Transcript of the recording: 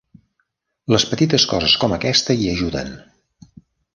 Les petites coses com aquesta hi ajuden.